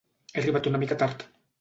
He arribat una mica tard.